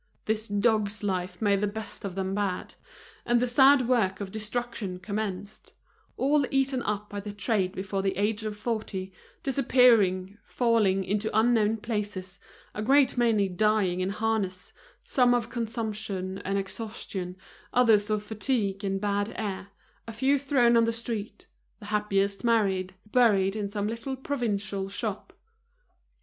This dog's life made the best of them bad; and the sad work of destruction commenced: all eaten up by the trade before the age of forty, disappearing, falling into unknown places, a great many dying in harness, some of consumption and exhaustion, others of fatigue and bad air, a few thrown on the street, the happiest married, buried in some little provincial shop.